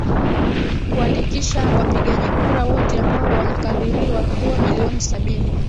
kuandikisha wapigaji kura wote ambao wanakadhiriwa kuwa milioni sabini